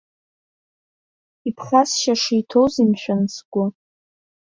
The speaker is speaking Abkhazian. Иԥхасшьаша иҭоузеи, мшәан, сгәы?